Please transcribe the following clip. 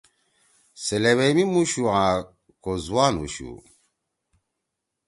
سے لیویئی می مُوشُو آں کو زُوان ہُوشُو۔